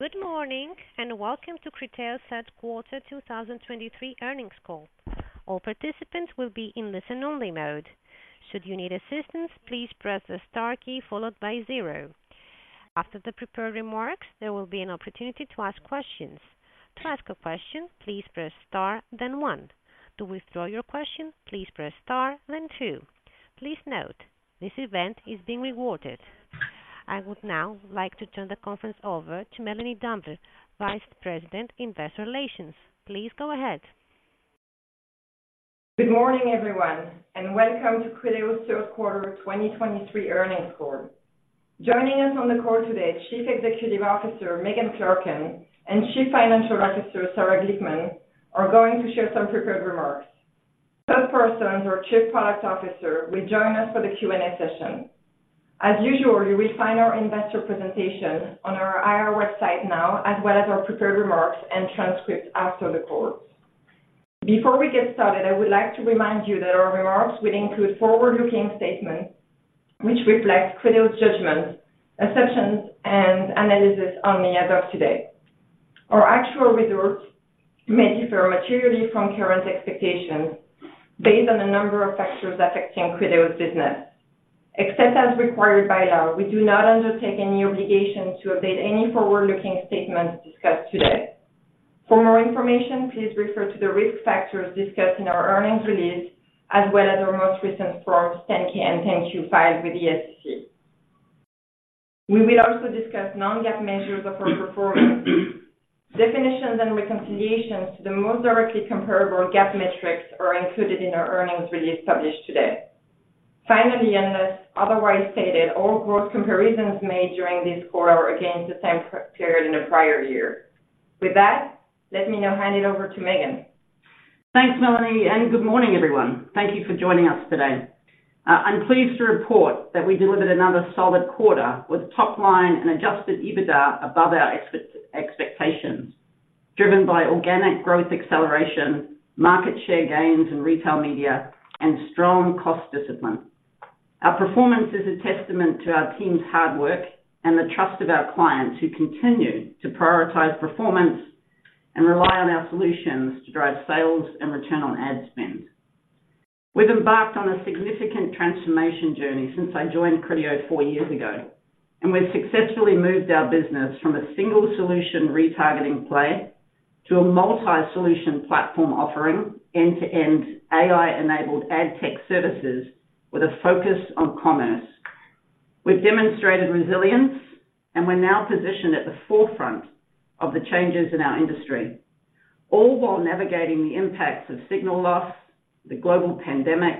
Good morning, and welcome to Criteo's third quarter 2023 earnings call. All participants will be in listen-only mode. Should you need assistance, please press the star key followed by zero. After the prepared remarks, there will be an opportunity to ask questions. To ask a question, please press star, then one. To withdraw your question, please press star, then two. Please note, this event is being recorded. I would now like to turn the conference over to Melanie Dambre, Vice President, Investor Relations. Please go ahead. Good morning, everyone, and welcome to Criteo's third quarter 2023 earnings call. Joining us on the call today, Chief Executive Officer Megan Clarken and Chief Financial Officer Sarah Glickman are going to share some prepared remarks. Todd Parsons, our Chief Product Officer, will join us for the Q&A session. As usual, you will find our investor presentation on our IR website now, as well as our prepared remarks and transcripts after the call. Before we get started, I would like to remind you that our remarks will include forward-looking statements, which reflect Criteo's judgments, assumptions, and analysis as of today. Our actual results may differ materially from current expectations based on a number of factors affecting Criteo's business. Except as required by law, we do not undertake any obligation to update any forward-looking statements discussed today. For more information, please refer to the risk factors discussed in our earnings release, as well as our most recent Form 10-K and 10-Q filed with the SEC. We will also discuss non-GAAP measures of our performance. Definitions and reconciliations to the most directly comparable GAAP metrics are included in our earnings release published today. Finally, unless otherwise stated, all growth comparisons made during this quarter are against the same period in the prior year. With that, let me now hand it over to Megan. Thanks, Melanie, and good morning, everyone. Thank you for joining us today. I'm pleased to report that we delivered another solid quarter with top line and Adjusted EBITDA above our expectations, driven by organic growth acceleration, market share gains in Retail Media, and strong cost discipline. Our performance is a testament to our team's hard work and the trust of our clients, who continue to prioritize performance and rely on our solutions to drive sales and return on ad spend. We've embarked on a significant transformation journey since I joined Criteo four years ago, and we've successfully moved our business from a single solution retargeting play to a multi-solution platform, offering end-to-end AI-enabled ad tech services with a focus on commerce. We've demonstrated resilience, and we're now positioned at the forefront of the changes in our industry, all while navigating the impacts of signal loss, the global pandemic,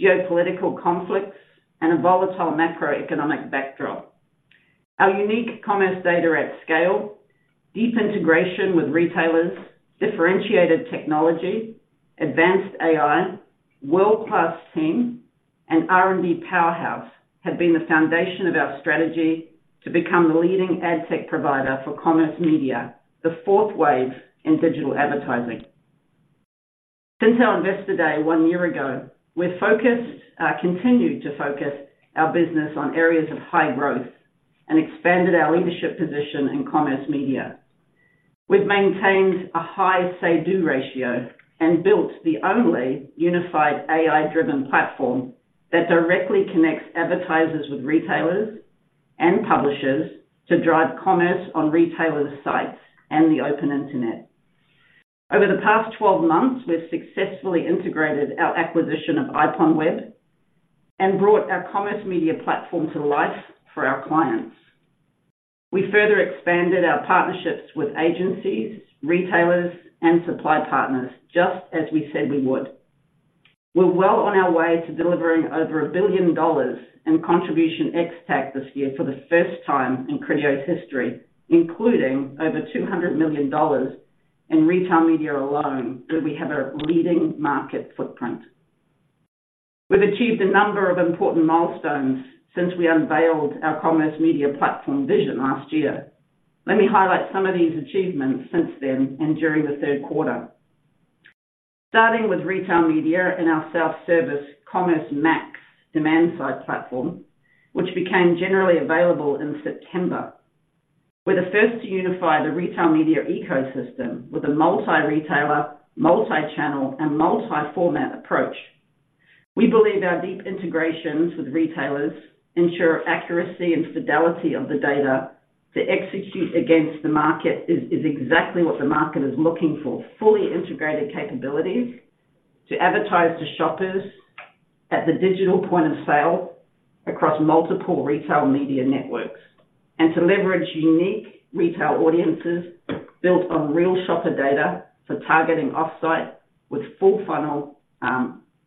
geopolitical conflicts, and a volatile macroeconomic backdrop. Our unique commerce data at scale, deep integration with retailers, differentiated technology, advanced AI, world-class team, and R&D powerhouse have been the foundation of our strategy to become the leading ad tech provider for commerce media, the fourth wave in digital advertising. Since our Investor Day, one year ago, we've focused, continued to focus our business on areas of high growth and expanded our leadership position in commerce media. We've maintained a high say-do ratio and built the only unified AI-driven platform that directly connects advertisers with retailers and publishers to drive commerce on retailers' sites and the open internet. Over the past 12 months, we've successfully integrated our acquisition of IPONWEB and brought our Commerce Media Platform to life for our clients. We further expanded our partnerships with agencies, retailers, and supply partners, just as we said we would. We're well on our way to delivering over $1 billion in contribution ex-TAC this year for the first time in Criteo's history, including over $200 million in retail media alone, that we have a leading market footprint. We've achieved a number of important milestones since we unveiled our Commerce Media Platform vision last year. Let me highlight some of these achievements since then and during the third quarter. Starting with retail media and our self-service Commerce Max Demand-Side Platform, which became generally available in September. We're the first to unify the retail media ecosystem with a multi-retailer, multi-channel, and multi-format approach. We believe our deep integrations with retailers ensure accuracy and fidelity of the data to execute against the market is exactly what the market is looking for: fully integrated capabilities to advertise to shoppers at the digital point of sale across multiple retail media networks, and to leverage unique retail audiences built on real shopper data for targeting offsite with full-funnel,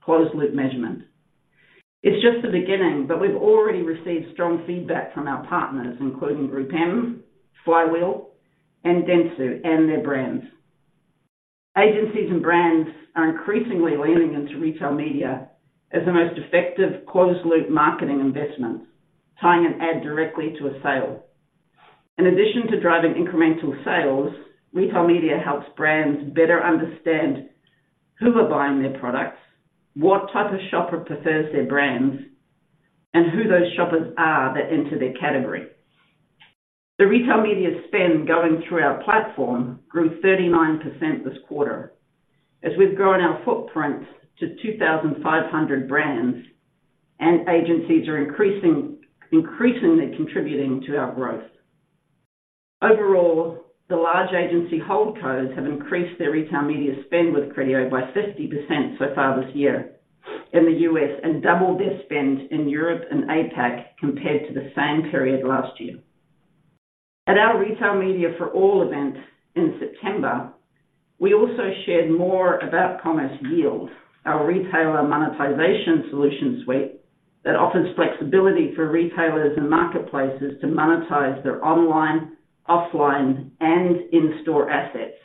closed-loop measurement. It's just the beginning, but we've already received strong feedback from our partners, including GroupM, Flywheel, and Dentsu, and their brands. Agencies and brands are increasingly leaning into retail media as the most effective closed-loop marketing investment, tying an ad directly to a sale. In addition to driving incremental sales, retail media helps brands better understand who are buying their products, what type of shopper prefers their brands… and who those shoppers are that enter their category. The retail media spend going through our platform grew 39% this quarter. As we've grown our footprint to 2,500 brands, and agencies are increasing, increasingly contributing to our growth. Overall, the large agency holdcos have increased their retail media spend with Criteo by 50% so far this year in the U.S., and doubled their spend in Europe and APAC compared to the same period last year. At our Retail Media for All event in September, we also shared more about Commerce Yield, our retailer monetization solution suite, that offers flexibility for retailers and marketplaces to monetize their online, offline, and in-store assets.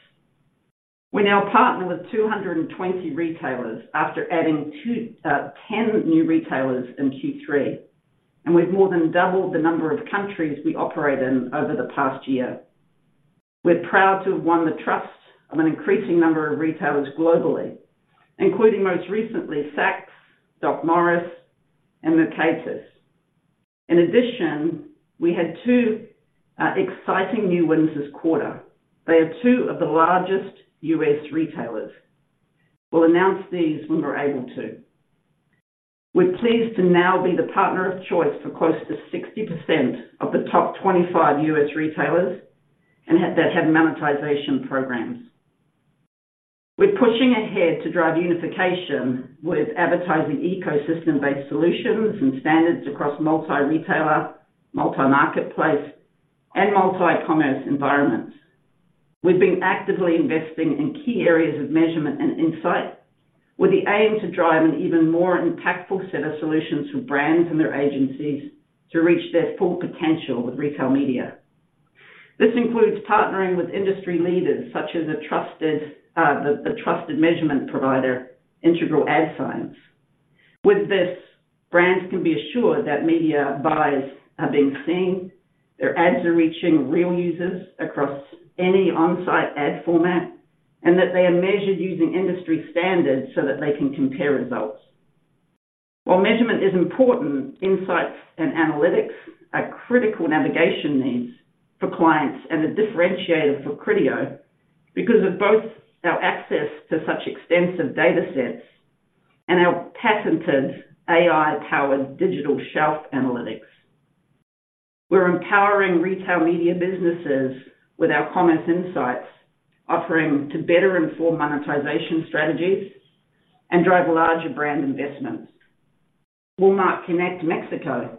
We now partner with 220 retailers after adding 20 new retailers in Q3, and we've more than doubled the number of countries we operate in over the past year. We're proud to have won the trust of an increasing number of retailers globally, including most recently, Saks, DocMorris, and Mercatus. In addition, we had two, exciting new wins this quarter. They are two of the largest US retailers. We'll announce these when we're able to. We're pleased to now be the partner of choice for close to 60% of the top 25 U.S. retailers, and have that have monetization programs. We're pushing ahead to drive unification with advertising ecosystem-based solutions and standards across multi-retailer, multi-marketplace, and multi-commerce environments. We've been actively investing in key areas of measurement and insight, with the aim to drive an even more impactful set of solutions for brands and their agencies to reach their full potential with retail media. This includes partnering with industry leaders, such as a trusted, the trusted measurement provider, Integral Ad Science. With this, brands can be assured that media buys have been seen, their ads are reaching real users across any on-site ad format, and that they are measured using industry standards so that they can compare results. While measurement is important, insights and analytics are critical navigation needs for clients, and a differentiator for Criteo, because of both our access to such extensive data sets and our patented AI-powered digital shelf analytics. We're empowering retail media businesses with our commerce insights, offering to better inform monetization strategies and drive larger brand investments. Walmart Connect Mexico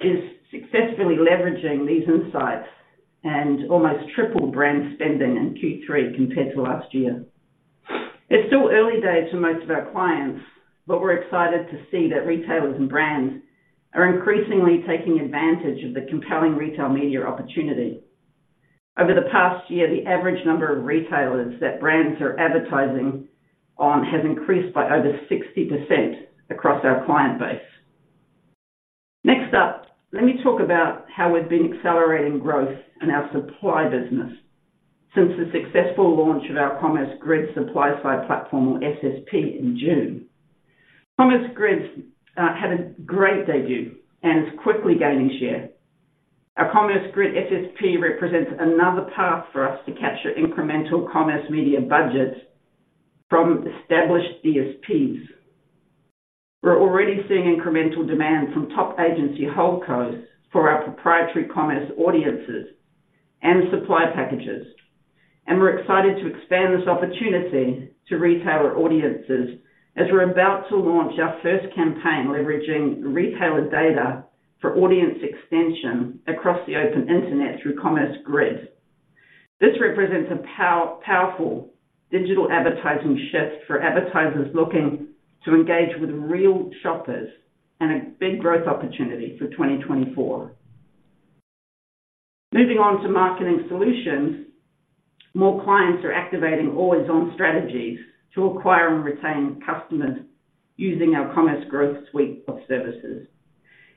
is successfully leveraging these insights, and almost tripled brand spending in Q3 compared to last year. It's still early days for most of our clients, but we're excited to see that retailers and brands are increasingly taking advantage of the compelling retail media opportunity. Over the past year, the average number of retailers that brands are advertising on has increased by over 60% across our client base. Next up, let me talk about how we've been accelerating growth in our supply business since the successful launch of our Commerce Grid Supply-Side Platform, or SSP, in June. Commerce Grid had a great debut and is quickly gaining share. Our Commerce Grid SSP represents another path for us to capture incremental commerce media budgets from established DSPs. We're already seeing incremental demand from top agency holdcos for our proprietary Commerce Audiences and supply packages, and we're excited to expand this opportunity to retailer audiences as we're about to launch our first campaign leveraging retailer data for audience extension across the open internet through Commerce Grid. This represents a powerful digital advertising shift for advertisers looking to engage with real shoppers, and a big growth opportunity for 2024. Moving on to marketing solutions, more clients are activating always-on strategies to acquire and retain customers using our Commerce Growth suite of services.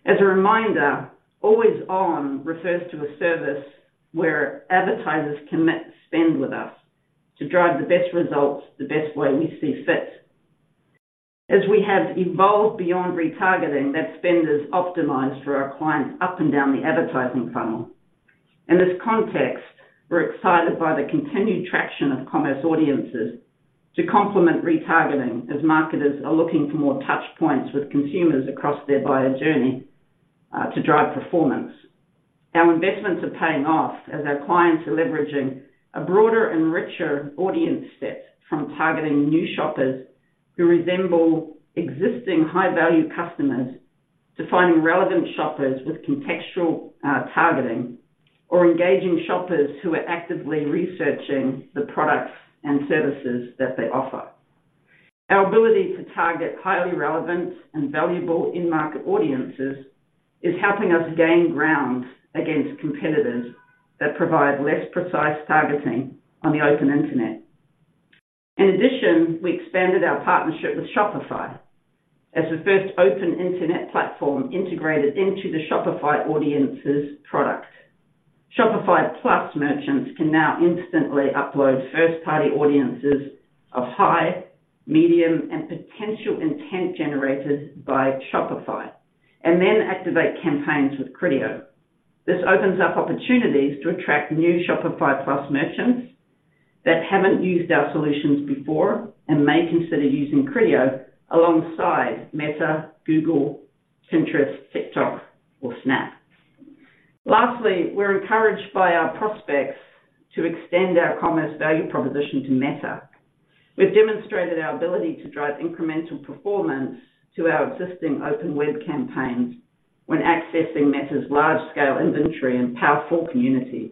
As a reminder, always-on refers to a service where advertisers commit to spend with us, to drive the best results, the best way we see fit. As we have evolved beyond retargeting, that spend is optimized for our clients up and down the advertising funnel. In this context, we're excited by the continued traction of Commerce Audiences to complement retargeting, as marketers are looking for more touch points with consumers across their buyer journey, to drive performance. Our investments are paying off as our clients are leveraging a broader and richer audience set, from targeting new shoppers who resemble existing high-value customers, to finding relevant shoppers with contextual targeting, or engaging shoppers who are actively researching the products and services that they offer. Our ability to target highly relevant and valuable in-market audiences is helping us gain ground against competitors that provide less precise targeting on the open internet. In addition, we expanded our partnership with Shopify as the first open internet platform integrated into the Shopify Audiences product. Shopify Plus merchants can now instantly upload first-party audiences of high, medium, and potential intent generated by Shopify, and then activate campaigns with Criteo. This opens up opportunities to attract new Shopify Plus merchants that haven't used our solutions before and may consider using Criteo alongside Meta, Google, Pinterest, TikTok, or Snap. Lastly, we're encouraged by our prospects to extend our commerce value proposition to Meta. We've demonstrated our ability to drive incremental performance to our existing open web campaigns when accessing Meta's large-scale inventory and powerful communities.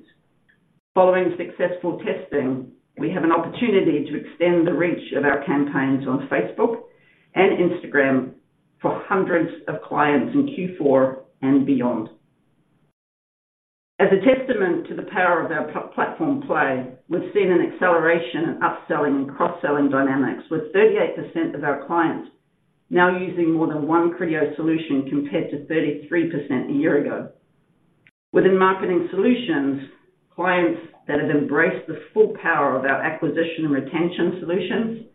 Following successful testing, we have an opportunity to extend the reach of our campaigns on Facebook and Instagram for hundreds of clients in Q4 and beyond. As a testament to the power of our platform play, we've seen an acceleration in upselling and cross-selling dynamics, with 38% of our clients now using more than one Criteo solution, compared to 33% a year ago. Within marketing solutions, clients that have embraced the full power of our acquisition and retention solutions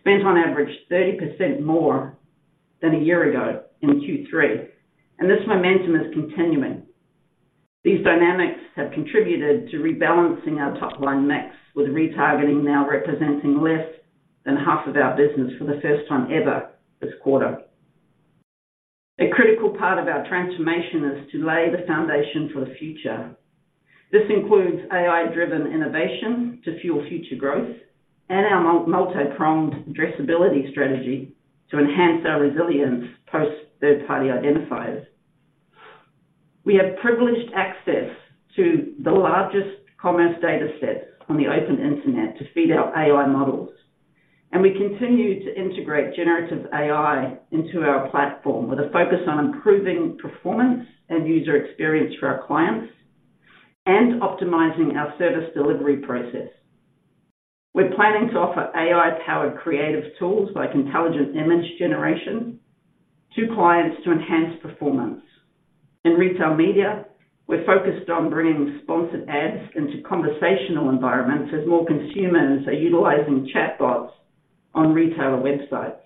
spent on average 30% more than a year ago in Q3, and this momentum is continuing. These dynamics have contributed to rebalancing our top-line mix, with retargeting now representing less than half of our business for the first time ever this quarter. A critical part of our transformation is to lay the foundation for the future. This includes AI-driven innovation to fuel future growth and our multi-pronged addressability strategy to enhance our resilience post third-party identifiers. We have privileged access to the largest commerce data set on the open internet to feed our AI models, and we continue to integrate generative AI into our platform with a focus on improving performance and user experience for our clients and optimizing our service delivery process. We're planning to offer AI-powered creative tools, like intelligent image generation, to clients to enhance performance. In retail media, we're focused on bringing sponsored ads into conversational environments as more consumers are utilizing chatbots on retailer websites.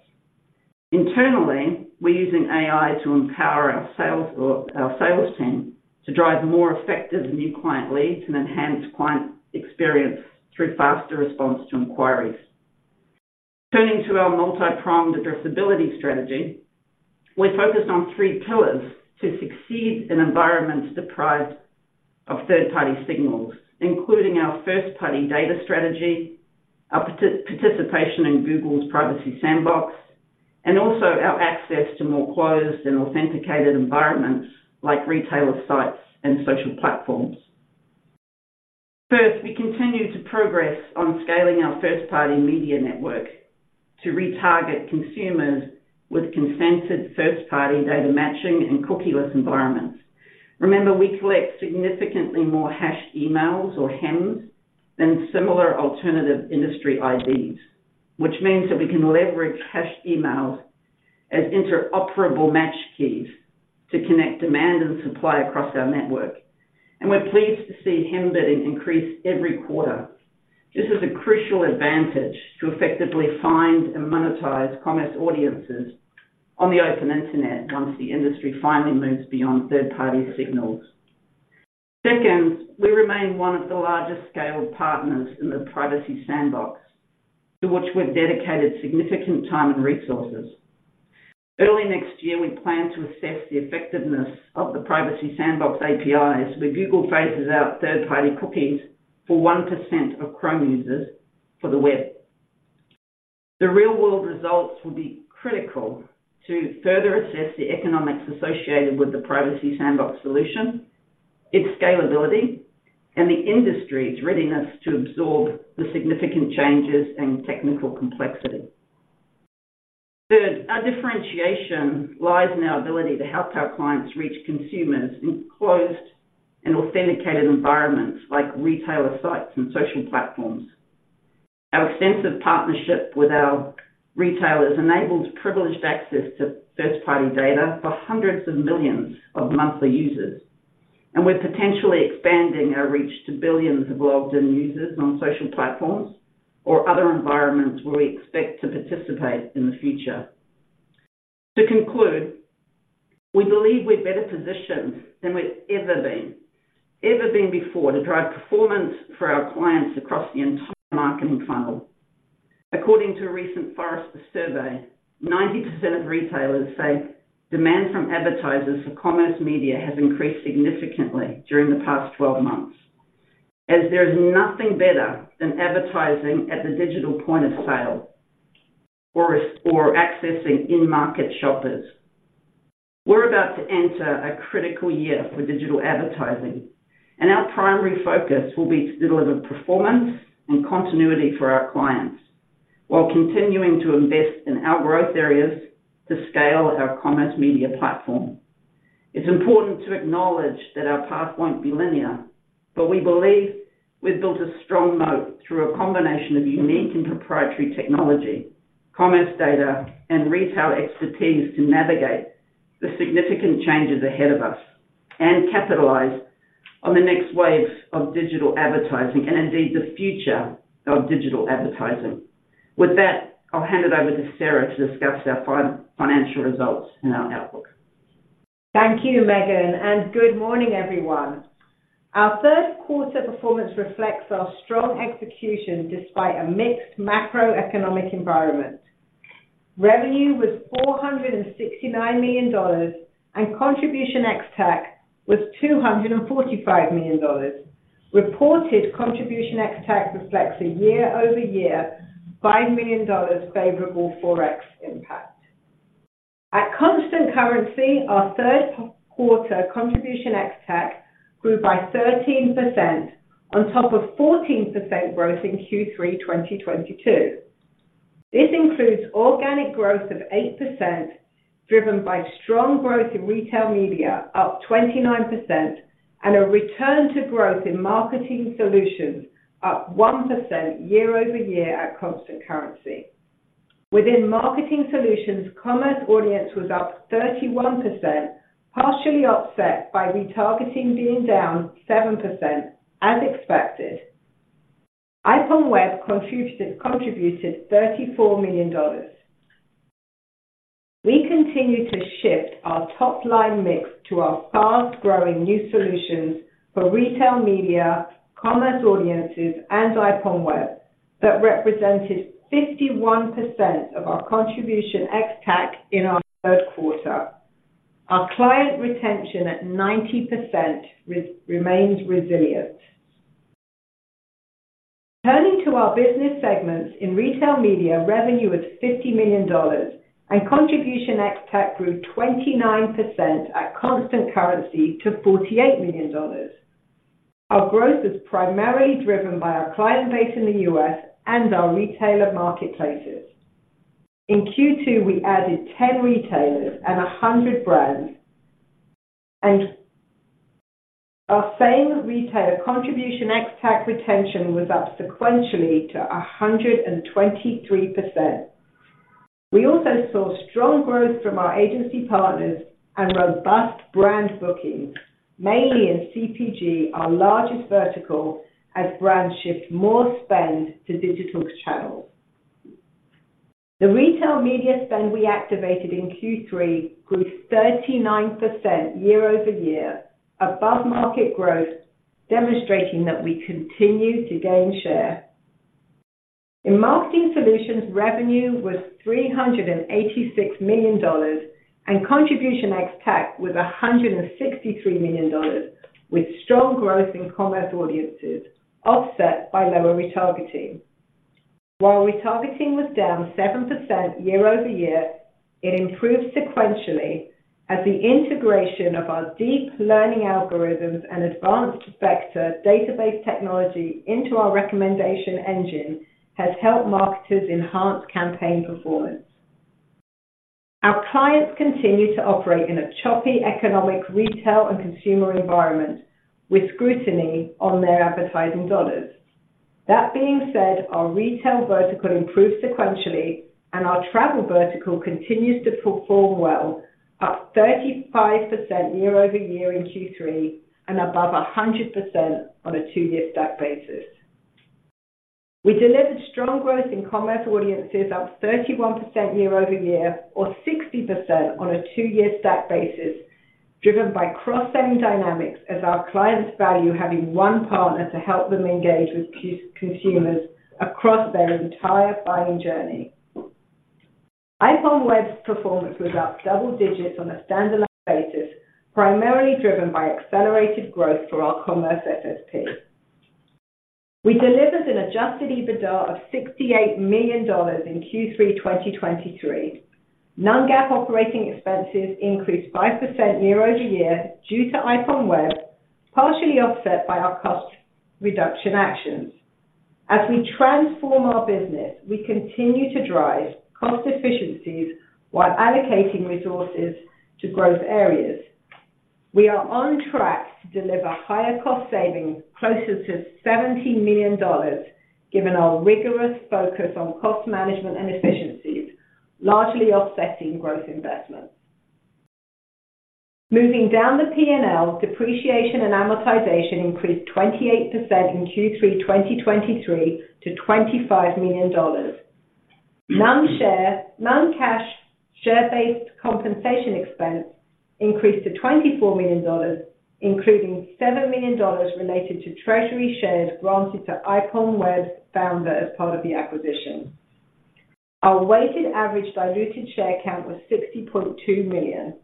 Internally, we're using AI to empower our sales or our sales team to drive more effective new client leads and enhance client experience through faster response to inquiries. Turning to our multi-pronged addressability strategy, we're focused on three pillars to succeed in environments deprived of third-party signals, including our first-party data strategy, our participation in Google's Privacy Sandbox, and also our access to more closed and authenticated environments like retailer sites and social platforms. First, we continue to progress on scaling our first-party media network to retarget consumers with consented first-party data matching in cookieless environments. Remember, we collect significantly more hashed emails or HEMs than similar alternative industry IDs, which means that we can leverage hashed emails as interoperable match keys to connect demand and supply across our network, and we're pleased to see HEM bidding increase every quarter. This is a crucial advantage to effectively find and monetize Commerce Audiences on the open internet once the industry finally moves beyond third-party signals. Second, we remain one of the largest scale partners in the Privacy Sandbox, to which we've dedicated significant time and resources. Early next year, we plan to assess the effectiveness of the Privacy Sandbox APIs, where Google phases out third-party cookies for 1% of Chrome users for the web. The real-world results will be critical to further assess the economics associated with the Privacy Sandbox solution, its scalability, and the industry's readiness to absorb the significant changes and technical complexity. Third, our differentiation lies in our ability to help our clients reach consumers in closed and authenticated environments like retailer sites and social platforms. Our extensive partnership with our retailers enables privileged access to first-party data for hundreds of millions of monthly users, and we're potentially expanding our reach to billions of logged-in users on social platforms or other environments where we expect to participate in the future. To conclude, we believe we're better positioned than we've ever been, ever been before to drive performance for our clients across the entire marketing funnel. According to a recent Forrester survey, 90% of retailers say demand from advertisers for commerce media has increased significantly during the past 12 months, as there is nothing better than advertising at the digital point of sale or accessing in-market shoppers. We're about to enter a critical year for digital advertising, and our primary focus will be to deliver performance and continuity for our clients while continuing to invest in our growth areas to scale our Commerce Media Platform. It's important to acknowledge that our path won't be linear, but we believe we've built a strong moat through a combination of unique and proprietary technology, commerce data, and retail expertise to navigate the significant changes ahead of us and capitalize on the next waves of digital advertising, and indeed, the future of digital advertising. With that, I'll hand it over to Sarah to discuss our financial results and our outlook. Thank you, Megan, and good morning, everyone. Our third quarter performance reflects our strong execution despite a mixed macroeconomic environment. Revenue was $469 million, and contribution ex-TAC was $245 million. Reported contribution ex-TAC reflects a year-over-year $5 million favorable Forex impact. At constant currency, our third quarter contribution ex-TAC grew by 13% on top of 14% growth in Q3 2022. This includes organic growth of 8%, driven by strong growth in retail media, up 29%, and a return to growth in marketing solutions, up 1% year-over-year at constant currency. Within marketing solutions, Commerce Audiences was up 31%, partially offset by retargeting being down 7%, as expected. IPONWEB contributed $34 million. We continue to shift our top-line mix to our fast-growing new solutions for retail media, Commerce Audiences, and IPONWEB, that represented 51% of our contribution ex-TAC in our third quarter. Our client retention at 90% remains resilient. Turning to our business segments, in retail media, revenue was $50 million, and contribution ex-TAC grew 29% at constant currency to $48 million. Our growth is primarily driven by our client base in the U.S. and our retailer marketplaces. In Q2, we added 10 retailers and 100 brands, and our same retailer contribution ex-TAC retention was up sequentially to 123%. We also saw strong growth from our agency partners and robust brand bookings, mainly in CPG, our largest vertical, as brands shift more spend to digital channels. The retail media spend we activated in Q3 grew 39% year-over-year, above market growth, demonstrating that we continue to gain share. In marketing solutions, revenue was $386 million, and contribution ex-TAC was $163 million, with strong growth in Commerce Audiences offset by lower retargeting. While retargeting was down 7% year-over-year, it improved sequentially as the integration of our deep learning algorithms and advanced vector database technology into our recommendation engine has helped marketers enhance campaign performance. Our clients continue to operate in a choppy economic, retail, and consumer environment, with scrutiny on their advertising dollars. That being said, our retail vertical improved sequentially, and our travel vertical continues to perform well, up 35% year-over-year in Q3 and above 100% on a two-year stack basis. We delivered strong growth in commerce audiences, up 31% year-over-year or 60% on a two-year stack basis, driven by cross-selling dynamics as our clients value having one partner to help them engage with consumers across their entire buying journey. IPONWEB's performance was up double digits on a standalone basis, primarily driven by accelerated growth for our commerce SSP. We delivered an adjusted EBITDA of $68 million in Q3 2023. Non-GAAP operating expenses increased 5% year-over-year due to IPONWEB, partially offset by our cost reduction actions. As we transform our business, we continue to drive cost efficiencies while allocating resources to growth areas. We are on track to deliver higher cost savings closer to $70 million, given our rigorous focus on cost management and efficiencies, largely offsetting growth investments. Moving down the P&L, depreciation and amortization increased 28% in Q3 2023 to $25 million. Non-cash, share-based compensation expense increased to $24 million, including $7 million related to treasury shares granted to IPONWEB founder as part of the acquisition. Our weighted average diluted share count was $60.2 million.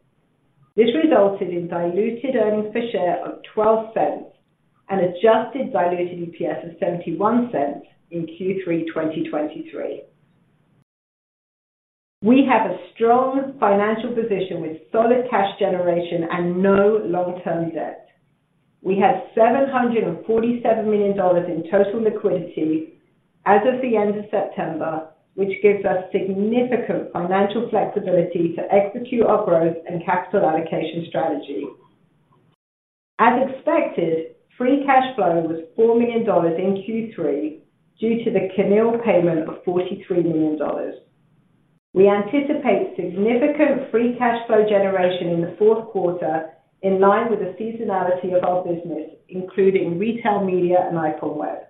This resulted in diluted earnings per share of $0.12 and adjusted diluted EPS of $0.71 in Q3 2023. We have a strong financial position with solid cash generation and no long-term debt. We had $747 million in total liquidity as of the end of September, which gives us significant financial flexibility to execute our growth and capital allocation strategy.... As expected, free cash flow was $4 million in Q3 due to the CNIL payment of $43 million. We anticipate significant free cash flow generation in the fourth quarter, in line with the seasonality of our business, including retail, media, and IPONWEB.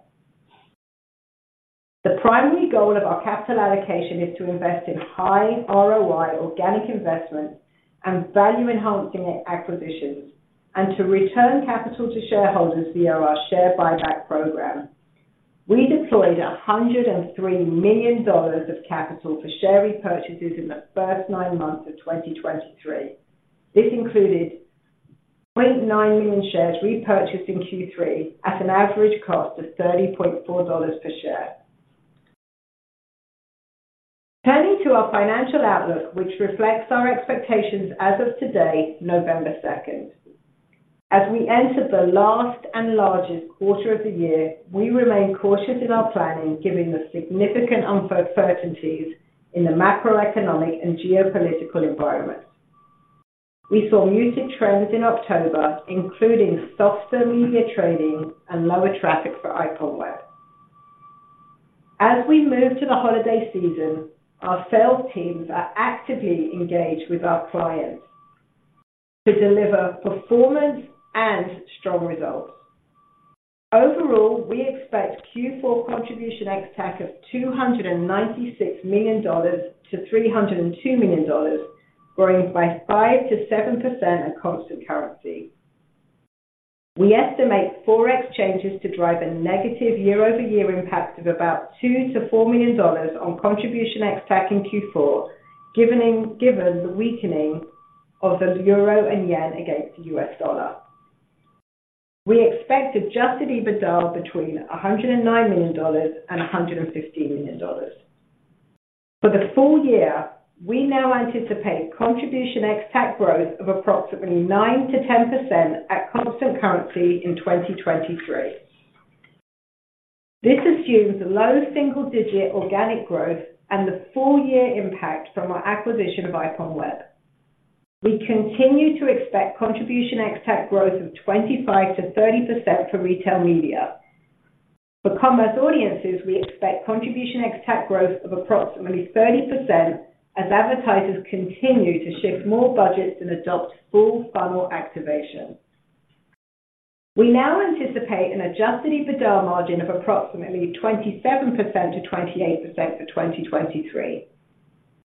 The primary goal of our capital allocation is to invest in high ROI organic investments and value-enhancing acquisitions, and to return capital to shareholders via our share buyback program. We deployed $103 million of capital for share repurchases in the first nine months of 2023. This included $0.9 million shares repurchased in Q3 at an average cost of $30.4 per share. Turning to our financial outlook, which reflects our expectations as of today, November second. As we enter the last and largest quarter of the year, we remain cautious in our planning, given the significant uncertainties in the macroeconomic and geopolitical environment. We saw muted trends in October, including softer media trading and lower traffic for IPONWEB. As we move to the holiday season, our sales teams are actively engaged with our clients to deliver performance and strong results. Overall, we expect Q4 contribution ex-TAC of $296 million to $302 million, growing by 5%-7% at constant currency. We estimate ForEx changes to drive a negative year-over-year impact of about $2 million-$4 million on contribution ex-TAC in Q4, given the weakening of the euro and yen against the U.S. dollar. We expect adjusted EBITDA between $109 million and $150 million. For the full year, we now anticipate contribution ex-TAC growth of approximately 9%-10% at constant currency in 2023. This assumes low single-digit organic growth and the full year impact from our acquisition of IPONWEB. We continue to expect Contribution ex-TAC growth of 25%-30% for Retail Media. For Commerce Audiences, we expect Contribution ex-TAC growth of approximately 30%, as advertisers continue to shift more budgets and adopt full funnel activation. We now anticipate an Adjusted EBITDA margin of approximately 27%-28% for 2023.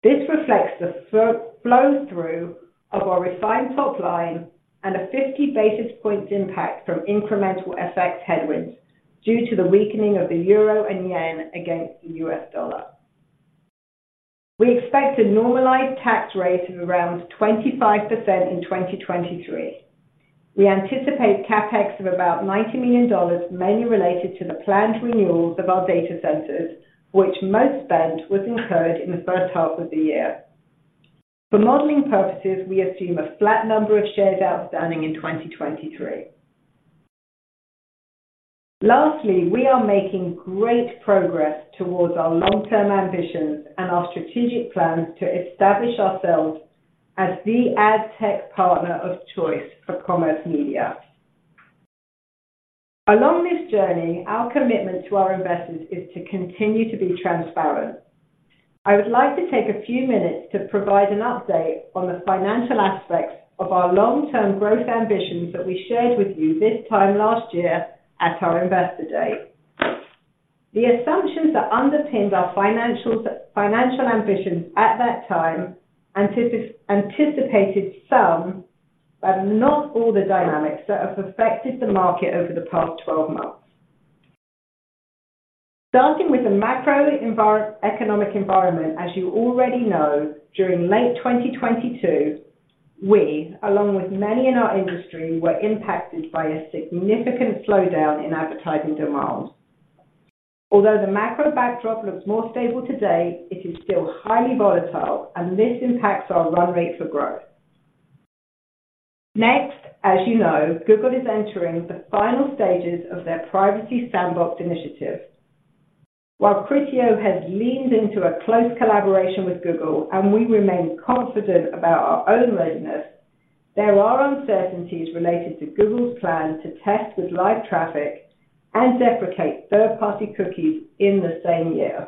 This reflects the flow-through of our refined top line and a 50 basis points impact from incremental FX headwinds due to the weakening of the euro and yen against the U.S. dollar. We expect a normalized tax rate of around 25% in 2023. We anticipate CapEx of about $90 million, mainly related to the planned renewals of our data centers, which most spent was incurred in the first half of the year. For modeling purposes, we assume a flat number of shares outstanding in 2023. Lastly, we are making great progress towards our long-term ambitions and our strategic plans to establish ourselves as the ad tech partner of choice for commerce media. Along this journey, our commitment to our investors is to continue to be transparent. I would like to take a few minutes to provide an update on the financial aspects of our long-term growth ambitions that we shared with you this time last year at our Investor Day. The assumptions that underpinned our financials, financial ambitions at that time, anticipated some, but not all, the dynamics that have affected the market over the past 12 months. Starting with the macro economic environment, as you already know, during late 2022, we, along with many in our industry, were impacted by a significant slowdown in advertising demand. Although the macro backdrop looks more stable today, it is still highly volatile, and this impacts our run rate for growth. Next, as you know, Google is entering the final stages of their Privacy Sandbox initiative. While Criteo has leaned into a close collaboration with Google, and we remain confident about our own readiness, there are uncertainties related to Google's plan to test with live traffic and deprecate third-party cookies in the same year.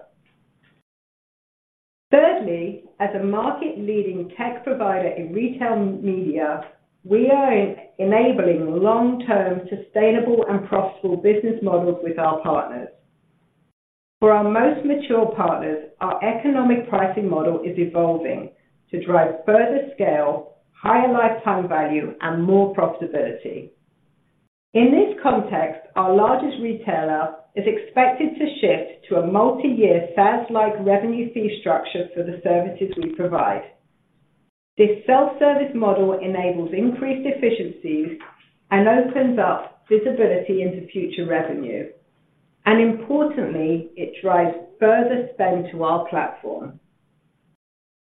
Thirdly, as a market-leading tech provider in retail media, we are enabling long-term, sustainable, and profitable business models with our partners. For our most mature partners, our economic pricing model is evolving to drive further scale, higher lifetime value, and more profitability. In this context, our largest retailer is expected to shift to a multi-year SaaS-like revenue fee structure for the services we provide. This self-service model enables increased efficiencies and opens up visibility into future revenue, and importantly, it drives further spend to our platform.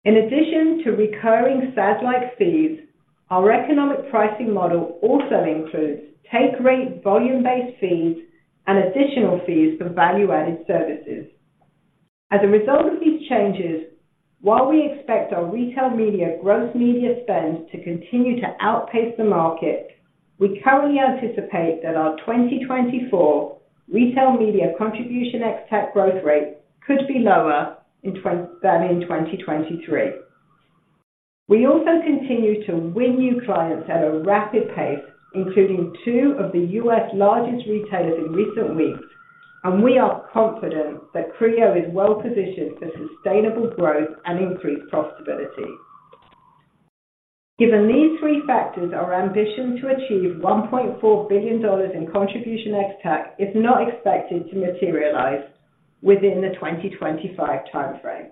In addition to recurring SaaS-like fees, our economic pricing model also includes take rate, volume-based fees, and additional fees for value-added services. As a result of these changes, while we expect our retail media gross media spend to continue to outpace the market, we currently anticipate that our 2024 retail media contribution ex-TAC growth rate could be lower in 2024 than in 2023. We also continue to win new clients at a rapid pace, including two of the U.S. largest retailers in recent weeks, and we are confident that Criteo is well-positioned for sustainable growth and increased profitability. Given these three factors, our ambition to achieve $1.4 billion in contribution ex-TAC is not expected to materialize within the 2025 time frame.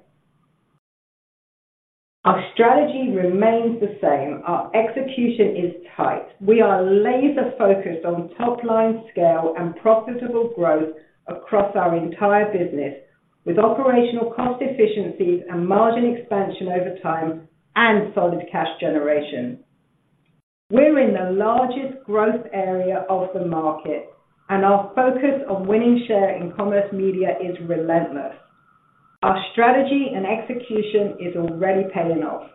Our strategy remains the same. Our execution is tight. We are laser-focused on top-line scale and profitable growth across our entire business, with operational cost efficiencies and margin expansion over time, and solid cash generation. We're in the largest growth area of the market, and our focus on winning share in commerce media is relentless. Our strategy and execution is already paying off.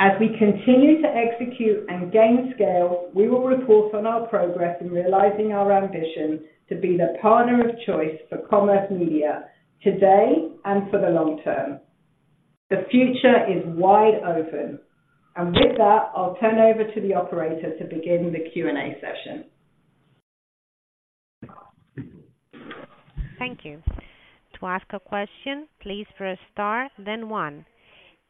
As we continue to execute and gain scale, we will report on our progress in realizing our ambition to be the partner of choice for commerce media today and for the long term. The future is wide open, and with that, I'll turn over to the operator to begin the Q&A session. Thank you. To ask a question, please press Star, then One.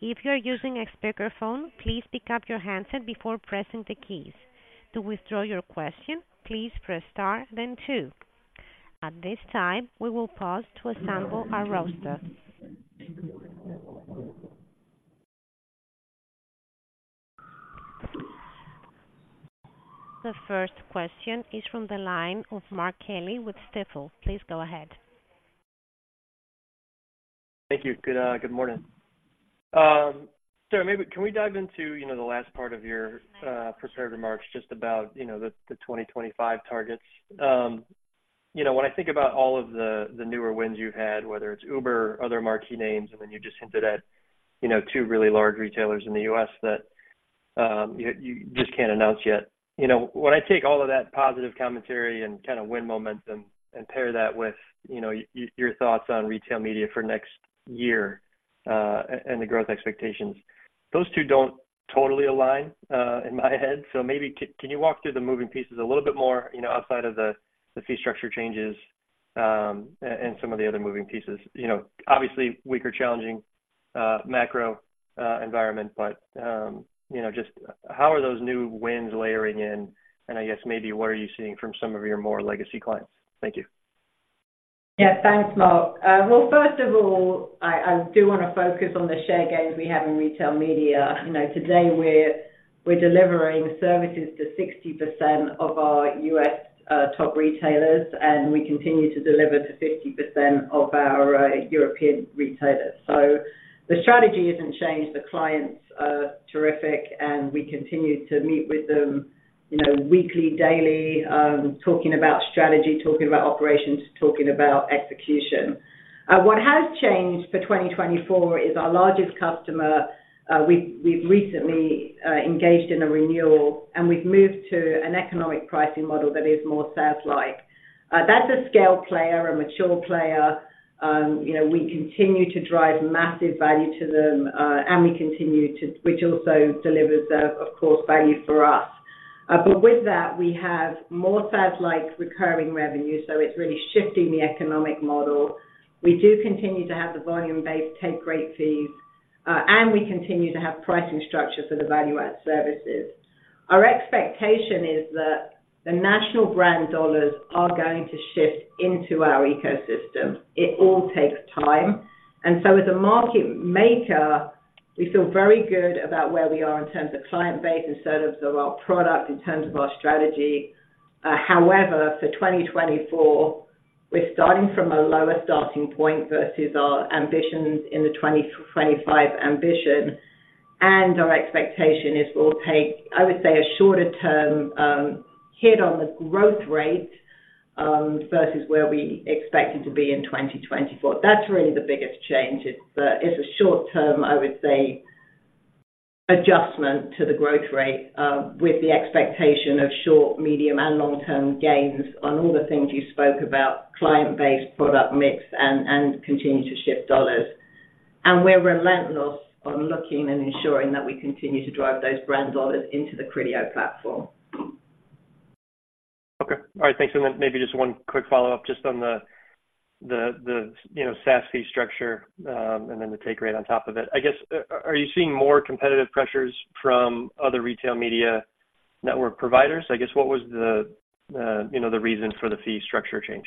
If you are using a speakerphone, please pick up your handset before pressing the keys. To withdraw your question, please press Star, then Two. At this time, we will pause to assemble our roster. The first question is from the line of Mark Kelley with Stifel. Please go ahead. Thank you. Good, good morning. So maybe can we dive into, you know, the last part of your, prepared remarks, just about, you know, the, the 2025 targets? You know, when I think about all of the, the newer wins you've had, whether it's Uber or other marquee names, and then you just hinted at, you know, two really large retailers in the U.S. that, you, you just can't announce yet. You know, when I take all of that positive commentary and kind of win momentum and pair that with, you know, your thoughts on retail media for next year, and the growth expectations, those two don't totally align, in my head. So maybe can you walk through the moving pieces a little bit more, you know, outside of the fee structure changes, and some of the other moving pieces? You know, obviously, we are challenging macro environment, but, you know, just how are those new wins layering in? And I guess maybe what are you seeing from some of your more legacy clients? Thank you. Yeah, thanks, Mark. Well, first of all, I do want to focus on the share gains we have in retail media. You know, today we're delivering services to 60% of our U.S. top retailers, and we continue to deliver to 50% of our European retailers. So the strategy hasn't changed. The clients are terrific, and we continue to meet with them, you know, weekly, daily, talking about strategy, talking about operations, talking about execution. What has changed for 2024 is our largest customer. We've recently engaged in a renewal, and we've moved to an economic pricing model that is more SaaS-like. That's a scale player, a mature player. You know, we continue to drive massive value to them, and we continue to—which also delivers, of course, value for us. But with that, we have more SaaS-like recurring revenue, so it's really shifting the economic model. We do continue to have the volume-based take rate fees, and we continue to have pricing structures for the value-add services. Our expectation is that the national brand dollars are going to shift into our ecosystem. It all takes time. And so as a market maker, we feel very good about where we are in terms of client base and service of our product, in terms of our strategy. However, for 2024, we're starting from a lower starting point versus our ambitions in the 2025 ambition, and our expectation is we'll take, I would say, a shorter term hit on the growth rate, versus where we expected to be in 2024. That's really the biggest change. It's a short-term, I would say, adjustment to the growth rate with the expectation of short-, medium-, and long-term gains on all the things you spoke about, client base, product mix, and continue to shift dollars. And we're relentless on looking and ensuring that we continue to drive those brand dollars into the Criteo platform. Okay. All right, thanks. And then maybe just one quick follow-up just on the, you know, SaaS fee structure, and then the take rate on top of it. I guess, are you seeing more competitive pressures from other retail media network providers? I guess, what was the, you know, the reason for the fee structure change?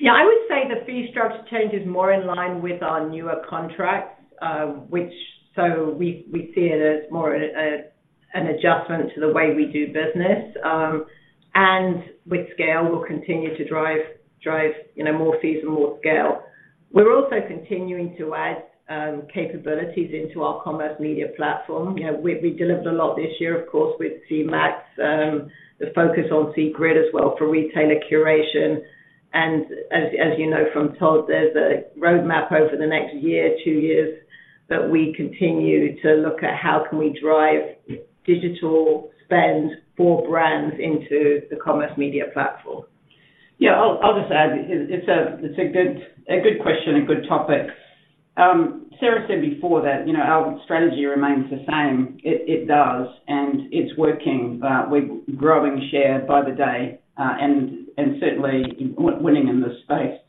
Yeah, I would say the fee structure change is more in line with our newer contracts, which so we, we see it as more an adjustment to the way we do business, and with scale, we'll continue to drive, drive, you know, more fees and more scale. We're also continuing to add capabilities into our Commerce Media Platform. You know, we, we delivered a lot this year, of course, with CMAX, the focus on CGRID as well for retailer curation. As you know from Todd, there’s a roadmap over the next year, two years, that we continue to look at how can we drive digital spend for brands into the Commerce Media Platform. Yeah, I'll just add. It's a good question and good topic. Sarah said before that, you know, our strategy remains the same. It does, and it's working. We're growing share by the day, and certainly winning in this space.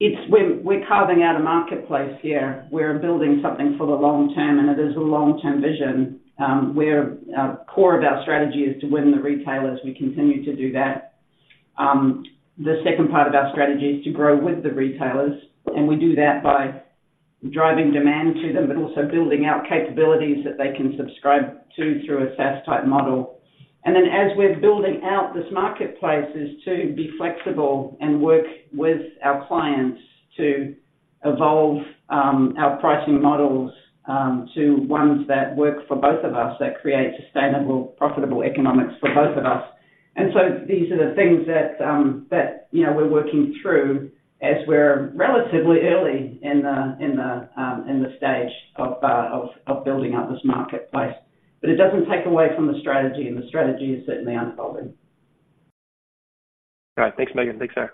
We're carving out a marketplace here. We're building something for the long term, and it is a long-term vision. Core of our strategy is to win the retailers. We continue to do that. The second part of our strategy is to grow with the retailers, and we do that by driving demand to them, but also building out capabilities that they can subscribe to through a SaaS-type model. And then as we're building out this marketplace, is to be flexible and work with our clients to evolve our pricing models to ones that work for both of us, that create sustainable, profitable economics for both of us. And so these are the things that, you know, we're working through as we're relatively early in the stage of building out this marketplace. But it doesn't take away from the strategy, and the strategy is certainly unfolding. All right. Thanks, Megan. Thanks, Sarah.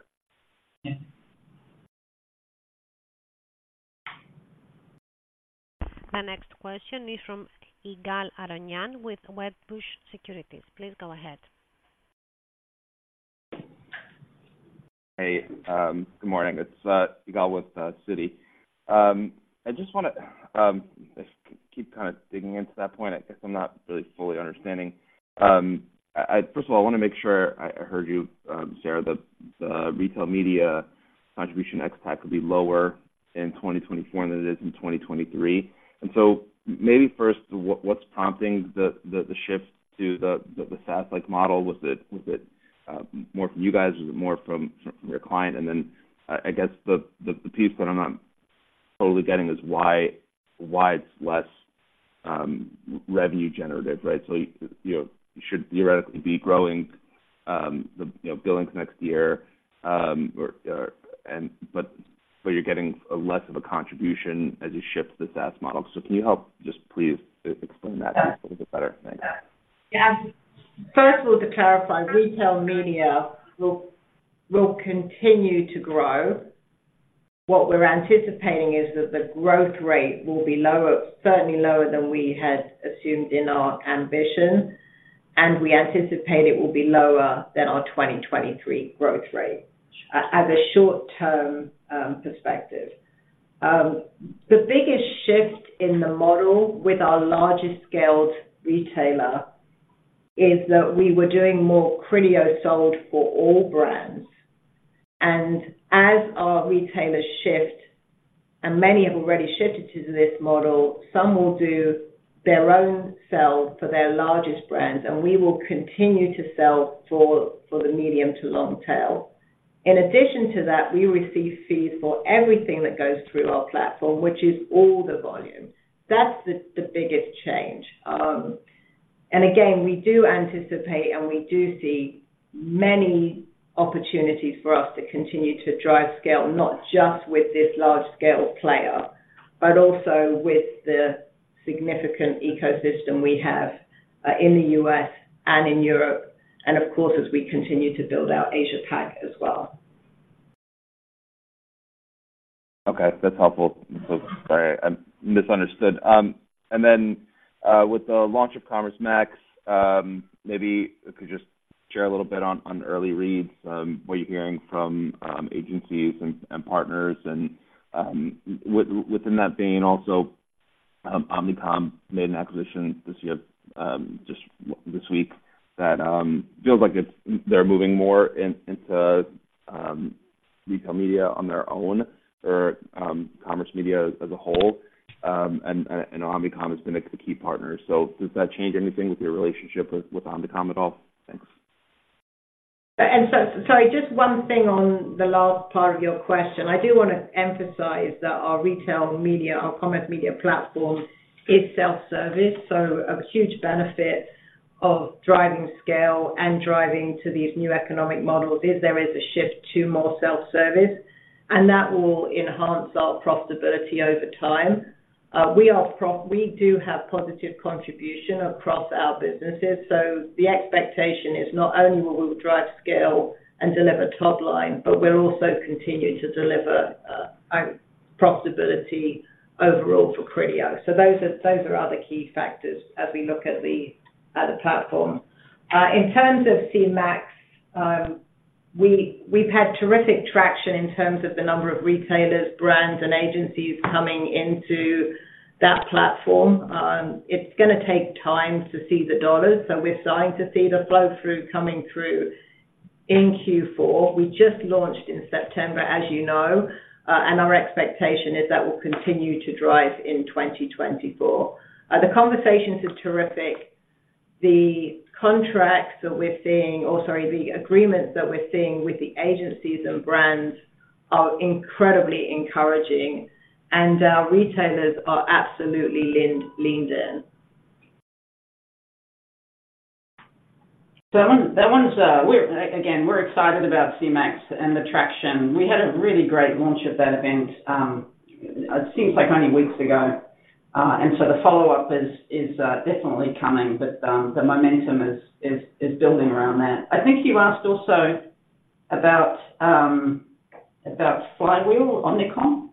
Yeah. The next question is from Ygal Arounian with Wedbush Securities. Please go ahead. Hey, good morning. It's Ygal with Citi. I just wanna just keep kind of digging into that point. I guess I'm not really fully understanding. I first of all wanna make sure I heard you, Sarah, that the retail media contribution ex-TAC will be lower in 2024 than it is in 2023. And so maybe first, what's prompting the shift to the SaaS-like model? Was it more from you guys, or was it more from your client? And then, I guess the piece that I'm not totally getting is why it's less revenue generative, right? So, you know, you should theoretically be growing the billings next year, but you're getting a less of a contribution as you shift the SaaS model. So can you help just please explain that a little bit better? Thanks. Yeah. First of all, to clarify, retail media will, will continue to grow. What we're anticipating is that the growth rate will be lower, certainly lower than we had assumed in our ambition, and we anticipate it will be lower than our 2023 growth rate, as a short-term perspective. The biggest shift in the model with our largest scaled retailer is that we were doing more Criteo sold for all brands. And as our retailers shift, and many have already shifted to this model, some will do their own sell for their largest brands, and we will continue to sell for the medium to long tail. In addition to that, we receive fees for everything that goes through our platform, which is all the volume. That's the biggest change. And again, we do anticipate, and we do see many opportunities for us to continue to drive scale, not just with this large-scale player, but also with the significant ecosystem we have in the U.S. and in Europe, and of course, as we continue to build out Asia-Pac as well. Okay, that's helpful. Sorry, I misunderstood. Then, with the launch of Commerce Max, maybe if you could just share a little bit on early leads, what you're hearing from agencies and partners. Within that vein, also, Omnicom made an acquisition this year, just this week, that feels like they're moving more into Retail Media on their own or commerce media as a whole. Omnicom has been the key partner. So does that change anything with your relationship with Omnicom at all? Thanks. So just one thing on the last part of your question. I do wanna emphasize that our retail media, our Commerce Media Platform, is self-service, so a huge benefit of driving scale and driving to these new economic models is there is a shift to more self-service, and that will enhance our profitability over time. We do have positive contribution across our businesses, so the expectation is not only will we drive scale and deliver top line, but we'll also continue to deliver our profitability overall for Criteo. So those are other key factors as we look at the platform. In terms of Commerce Max, we have had terrific traction in terms of the number of retailers, brands, and agencies coming into that platform. It's gonna take time to see the dollars, so we're starting to see the flow-through coming through in Q4. We just launched in September, as you know, and our expectation is that will continue to drive in 2024. The conversations are terrific. The contracts that we're seeing... or sorry, the agreements that we're seeing with the agencies and brands are incredibly encouraging, and our retailers are absolutely leaned, leaned in.... So that one's, we're, again, we're excited about CMAC and the traction. We had a really great launch at that event, it seems like only weeks ago. And so the follow-up is definitely coming, but, the momentum is building around that. I think you asked also about, about Flywheel Omnicom,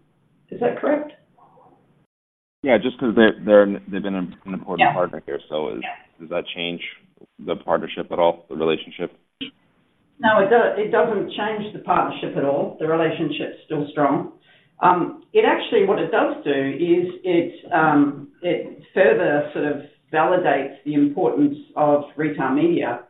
is that correct? Yeah, just because they've been an important partner here. Yeah. Does that change the partnership at all, the relationship? No, it doesn't change the partnership at all. The relationship's still strong. It actually, what it does do is it further sort of validates the importance of retail media.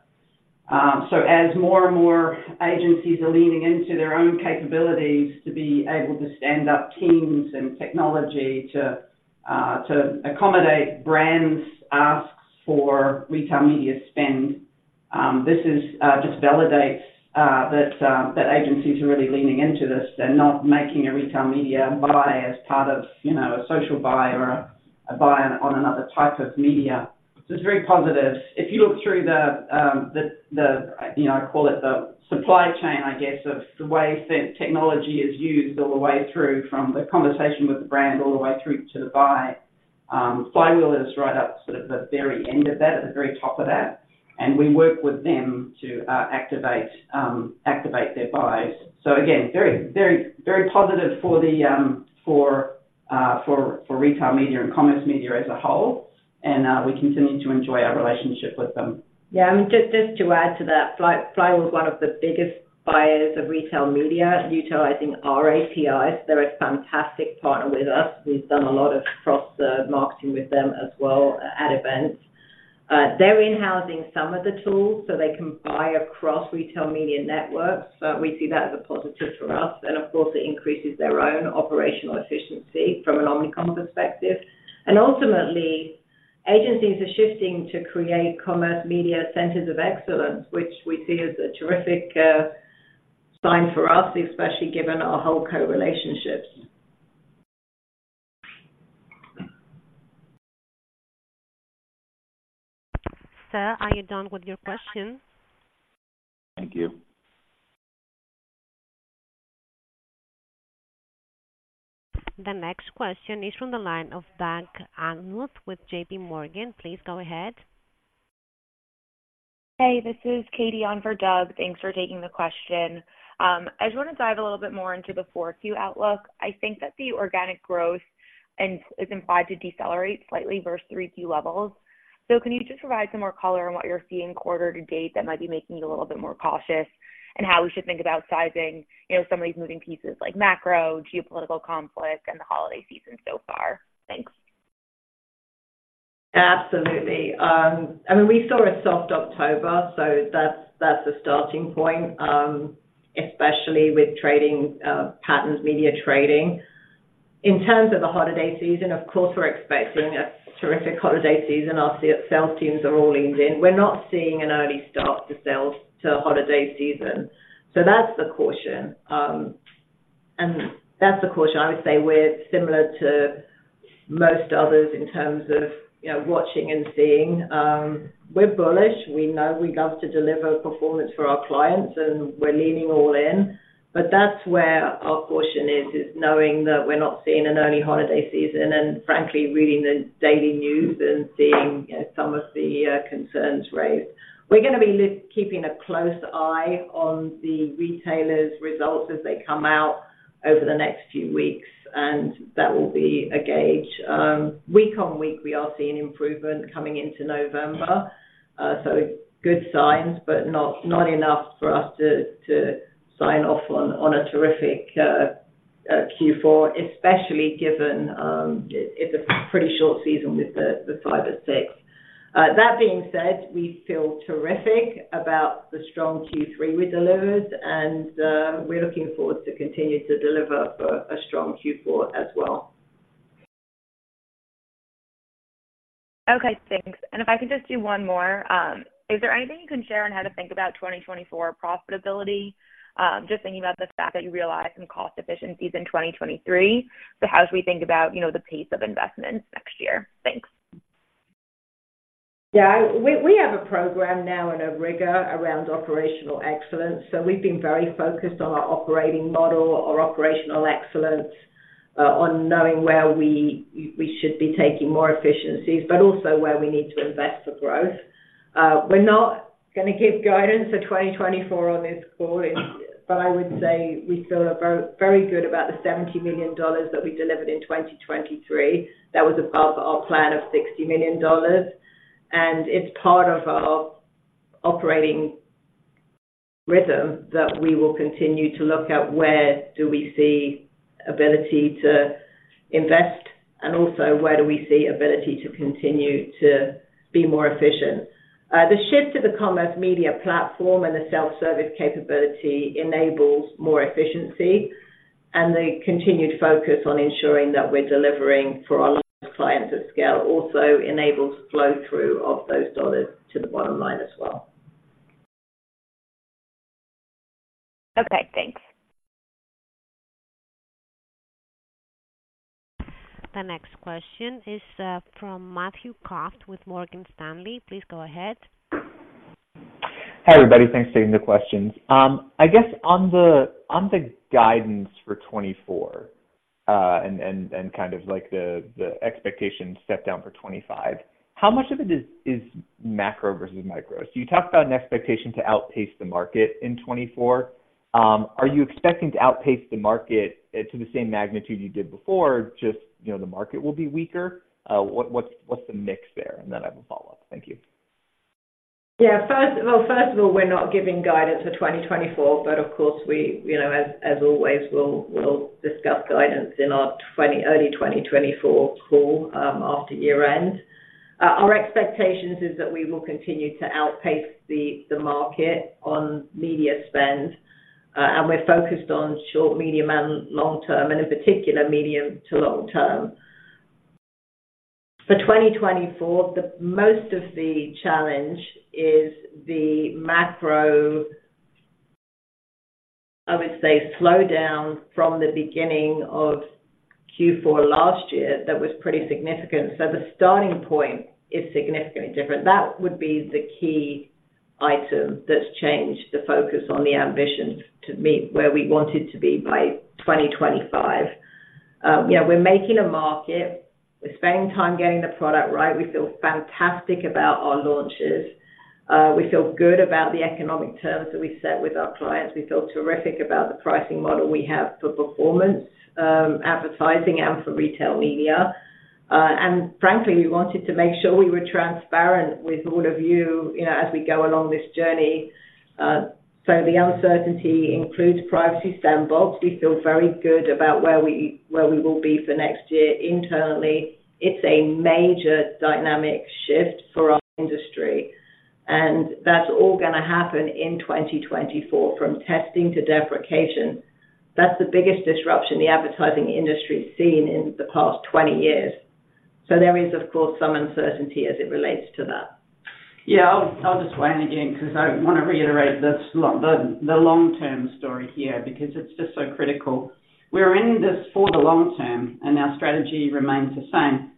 So as more and more agencies are leaning into their own capabilities to be able to stand up teams and technology to accommodate brands' asks for retail media spend, this just validates that agencies are really leaning into this. They're not making a retail media buy as part of, you know, a social buy or a buy on another type of media. So it's very positive. If you look through the you know, I call it the supply chain, I guess, of the way technology is used all the way through, from the conversation with the brand all the way through to the buy, Flywheel is right up sort of the very end of that, at the very top of that, and we work with them to activate their buys. So again, very, very, very positive for the retail media and commerce media as a whole, and we continue to enjoy our relationship with them. Yeah, just, just to add to that, Flywheel is one of the biggest buyers of retail media, utilizing our APIs. They're a fantastic partner with us. We've done a lot of cross-serve marketing with them as well at events. They're in-housing some of the tools so they can buy across retail media networks. So we see that as a positive for us, and of course, it increases their own operational efficiency from an Omnicom perspective. And ultimately, agencies are shifting to create commerce media centers of excellence, which we see as a terrific sign for us, especially given our whole co-relationships. Sir, are you done with your question? Thank you. The next question is from the line of Doug Anmuth with JPMorgan. Please go ahead. Hey, this is Katy on for Doug. Thanks for taking the question. I just want to dive a little bit more into the forecast outlook. I think that the organic growth and, is implied to decelerate slightly versus 3Q levels. So can you just provide some more color on what you're seeing quarter to date that might be making you a little bit more cautious, and how we should think about sizing, you know, some of these moving pieces like macro, geopolitical conflict, and the holiday season so far? Thanks. Absolutely. I mean, we saw a soft October, so that's, that's the starting point, especially with trading, paid media trading. In terms of the holiday season, of course, we're expecting a terrific holiday season. Our sales teams are all leaned in. We're not seeing an early start to sales to the holiday season, so that's the caution. And that's the caution. I would say we're similar to most others in terms of, you know, watching and seeing. We're bullish. We know we love to deliver performance for our clients, and we're leaning all in. But that's where our caution is, is knowing that we're not seeing an early holiday season, and frankly, reading the daily news and seeing, you know, some of the concerns raised. We're going to be keeping a close eye on the retailers' results as they come out over the next few weeks, and that will be a gauge. Week on week, we are seeing improvement coming into November. So good signs, but not enough for us to sign off on a terrific Q4, especially given it's a pretty short season with the five or six. That being said, we feel terrific about the strong Q3 we delivered, and we're looking forward to continue to deliver for a strong Q4 as well. Okay, thanks. And if I could just do one more. Is there anything you can share on how to think about 2024 profitability? Just thinking about the fact that you realized some cost efficiencies in 2023. So how should we think about, you know, the pace of investments next year? Thanks. Yeah, we, we have a program now and a rigor around operational excellence, so we've been very focused on our operating model, our operational excellence, on knowing where we, we should be taking more efficiencies, but also where we need to invest for growth. We're not going to give guidance for 2024 on this call, but I would say we feel very, very good about the $70 million that we delivered in 2023. That was above our plan of $60 million, and it's part of our operating rhythm that we will continue to look at where do we see ability to invest and also where do we see ability to continue to be more efficient. The shift to the Commerce Media Platform and the self-service capability enables more efficiency, and the continued focus on ensuring that we're delivering for our large clients at scale also enables flow-through of those dollars to the bottom line as well. Okay, thanks. ... The next question is from Matthew Cost with Morgan Stanley. Please go ahead. Hi, everybody. Thanks for taking the questions. I guess on the guidance for 2024, and kind of like the expectation step down for 2025, how much of it is macro versus micro? So you talked about an expectation to outpace the market in 2024. Are you expecting to outpace the market to the same magnitude you did before, just, you know, the market will be weaker? What’s the mix there? And then I have a follow-up. Thank you. Yeah. First—well, first of all, we're not giving guidance for 2024, but of course, we, you know, as always, we'll discuss guidance in our early 2024 call, after year-end. Our expectations is that we will continue to outpace the market on media spend, and we're focused on short, medium, and long term, and in particular, medium to long term. For 2024, most of the challenge is the macro, I would say, slowdown from the beginning of Q4 last year. That was pretty significant. So the starting point is significantly different. That would be the key item that's changed the focus on the ambition to meet where we wanted to be by 2025. Yeah, we're making a market. We're spending time getting the product right. We feel fantastic about our launches. We feel good about the economic terms that we set with our clients. We feel terrific about the pricing model we have for performance, advertising, and for Retail Media. And frankly, we wanted to make sure we were transparent with all of you, you know, as we go along this journey. So the uncertainty includes Privacy Sandbox. We feel very good about where we, where we will be for next year internally. It's a major dynamic shift for our industry, and that's all gonna happen in 2024, from testing to deprecation. That's the biggest disruption the advertising industry has seen in the past 20 years. So there is, of course, some uncertainty as it relates to that. Yeah, I'll just weigh in again, 'cause I wanna reiterate this, the long-term story here, because it's just so critical. We're in this for the long term, and our strategy remains the same.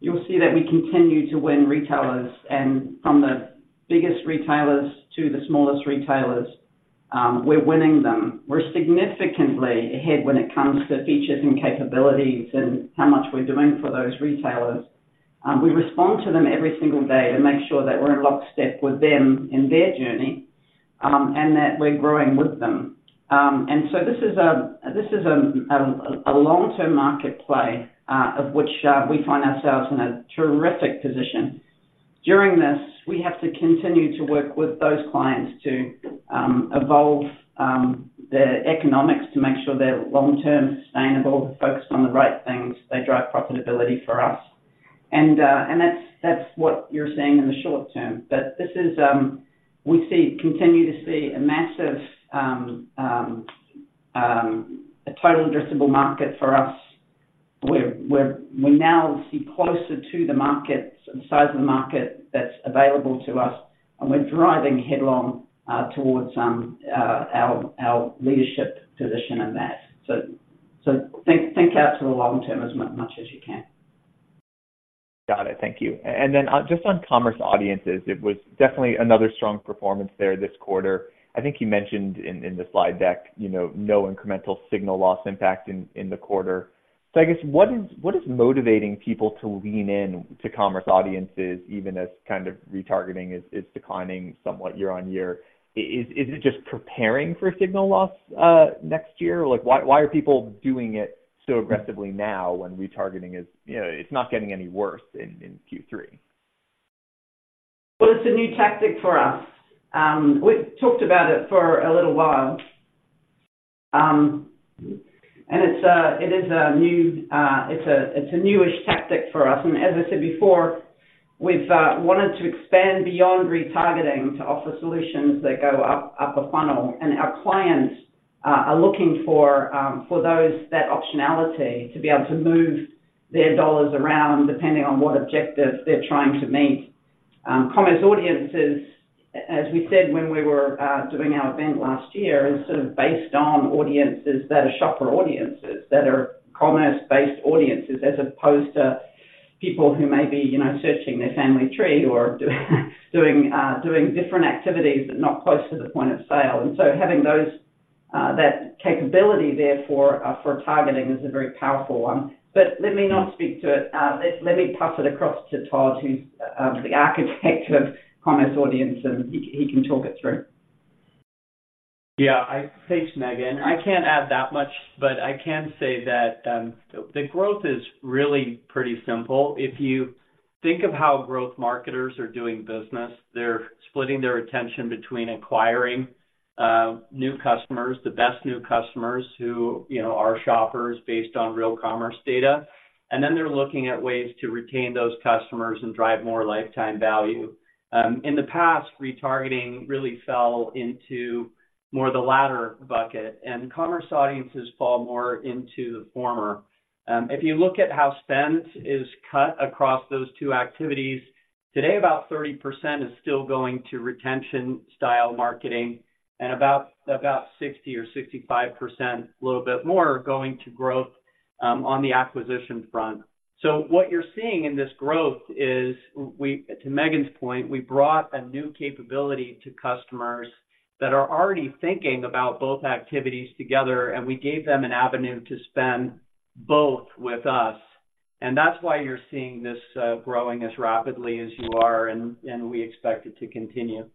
You'll see that we continue to win retailers, and from the biggest retailers to the smallest retailers, we're winning them. We're significantly ahead when it comes to features and capabilities and how much we're doing for those retailers. We respond to them every single day to make sure that we're in lockstep with them in their journey, and that we're growing with them. And so this is a long-term market play, of which we find ourselves in a terrific position. During this, we have to continue to work with those clients to evolve their economics to make sure they're long-term sustainable, focused on the right things, they drive profitability for us. And that's what you're seeing in the short term. But this is. We continue to see a massive total addressable market for us, where we now see closer to the size of the market that's available to us, and we're driving headlong towards our leadership position in that. So think out to the long term as much as you can. Got it. Thank you. And then, just on Commerce Audiences, it was definitely another strong performance there this quarter. I think you mentioned in the slide deck, you know, no incremental signal loss impact in the quarter. So I guess what is motivating people to lean in to Commerce Audiences, even as kind of retargeting is declining somewhat year-over-year? Is it just preparing for signal loss next year? Like, why are people doing it so aggressively now when retargeting is, you know, it's not getting any worse in Q3? Well, it's a new tactic for us. We've talked about it for a little while. And it's a newish tactic for us. And as I said before, we've wanted to expand beyond retargeting to offer solutions that go up a funnel. And our clients are looking for that optionality to be able to move their dollars around, depending on what objectives they're trying to meet. Commerce Audiences, as we said, when we were doing our event last year, is sort of based on audiences that are shopper audiences, that are commerce-based audiences, as opposed to people who may be, you know, searching their family tree or doing different activities, but not close to the point of sale. And so having those, that capability there for, for targeting is a very powerful one. But let me not speak to it. Let me pass it across to Todd, who's the architect of Commerce Audience, and he can talk it through. Yeah, thanks, Megan. I can't add that much, but I can say that the growth is really pretty simple. If you think of how growth marketers are doing business, they're splitting their attention between acquiring new customers, the best new customers who, you know, are shoppers based on real commerce data, and then they're looking at ways to retain those customers and drive more lifetime value. In the past, retargeting really fell into more the latter bucket, and Commerce Audiences fall more into the former. If you look at how spend is cut across those two activities. Today, about 30% is still going to retention-style marketing, and about 60% or 65%, a little bit more, are going to growth on the acquisition front. So what you're seeing in this growth is we, to Megan's point, we brought a new capability to customers that are already thinking about both activities together, and we gave them an avenue to spend both with us. And that's why you're seeing this growing as rapidly as you are, and we expect it to continue.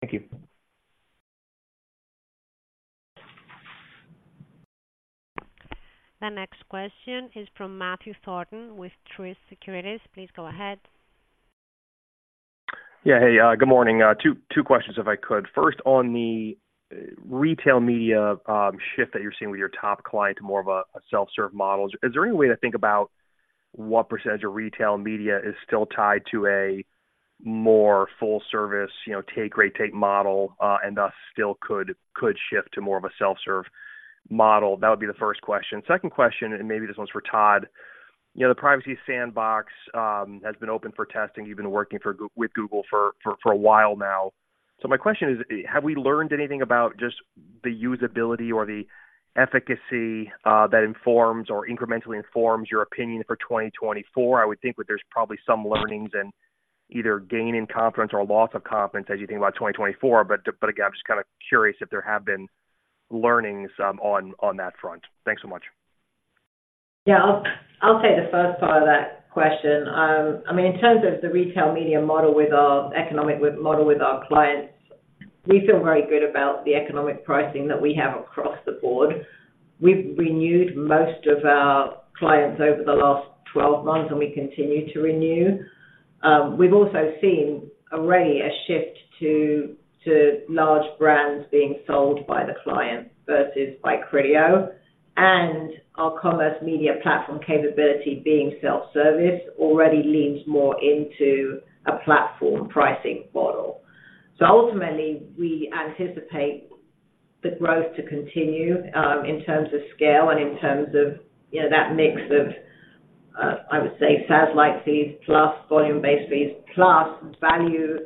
Thank you. The next question is from Matthew Thornton with Truist Securities. Please go ahead. Yeah. Hey, good morning. Two, two questions, if I could. First, on the retail media shift that you're seeing with your top client to more of a self-serve model, is there any way to think about what percentage of retail media is still tied to a more full service, you know, take rate, take model, and thus still could shift to more of a self-serve model? That would be the first question. Second question, and maybe this one's for Todd. You know, the Privacy Sandbox has been open for testing. You've been working with Google for a while now. So my question is, have we learned anything about just the usability or the efficacy that informs or incrementally informs your opinion for 2024? I would think that there's probably some learnings and either gain in confidence or loss of confidence as you think about 2024. But, but again, I'm just kind of curious if there have been learnings, on, on that front. Thanks so much. Yeah. I'll take the first part of that question. I mean, in terms of the retail media model with our economic model with our clients, we feel very good about the economic pricing that we have across the board. We've renewed most of our clients over the last 12 months, and we continue to renew. We've also seen already a shift to large brands being sold by the client versus by Criteo. And our Commerce Media Platform capability being self-service, already leans more into a platform pricing model. So ultimately, we anticipate the growth to continue in terms of scale and in terms of, you know, that mix of, I would say, SaaS-like fees, plus volume-based fees, plus value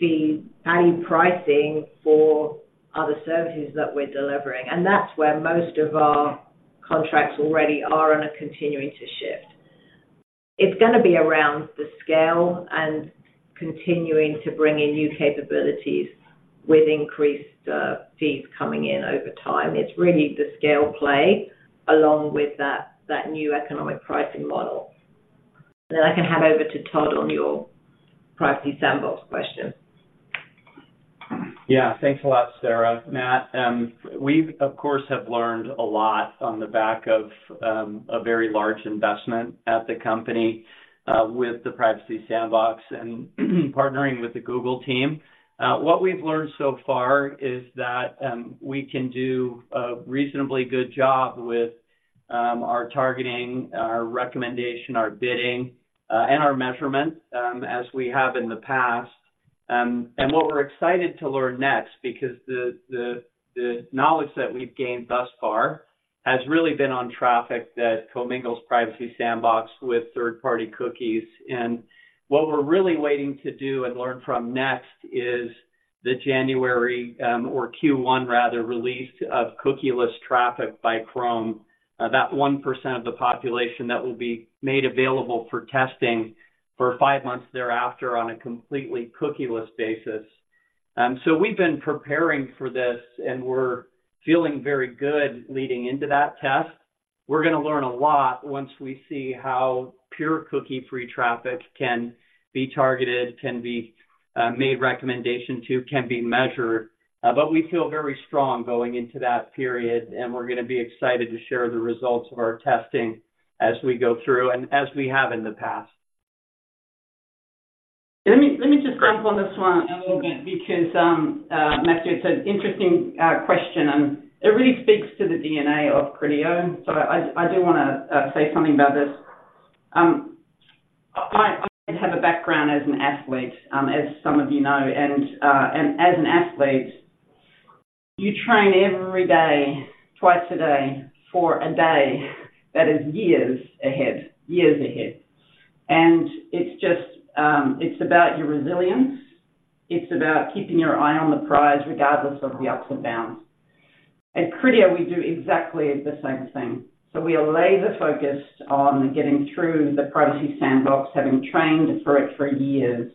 fees, value pricing for other services that we're delivering. And that's where most of our contracts already are and are continuing to shift. It's gonna be around the scale and continuing to bring in new capabilities with increased fees coming in over time. It's really the scale play, along with that, that new economic pricing model. Then I can hand over to Todd on your Privacy Sandbox question. Yeah. Thanks a lot, Sarah. Matt, we, of course, have learned a lot on the back of a very large investment at the company with the Privacy Sandbox and partnering with the Google team. What we've learned so far is that we can do a reasonably good job with our targeting, our recommendation, our bidding and our measurement as we have in the past. And what we're excited to learn next, because the knowledge that we've gained thus far has really been on traffic that commingles Privacy Sandbox with third-party cookies. And what we're really waiting to do and learn from next is the January or Q1 rather release of cookieless traffic by Chrome. That 1% of the population that will be made available for testing for five months thereafter on a completely cookieless basis. So we've been preparing for this, and we're feeling very good leading into that test. We're gonna learn a lot once we see how pure cookie-free traffic can be targeted, can be made recommendation to, can be measured. But we feel very strong going into that period, and we're gonna be excited to share the results of our testing as we go through, and as we have in the past. Let me just jump on this one a little bit because, Matthew, it's an interesting question, and it really speaks to the DNA of Criteo, so I do wanna say something about this. I have a background as an athlete, as some of you know. And as an athlete, you train every day, twice a day, for a day that is years ahead. Years ahead. And it's just about your resilience. It's about keeping your eye on the prize, regardless of the ups and downs. At Criteo, we do exactly the same thing. So we are laser-focused on getting through the Privacy Sandbox, having trained for it for years.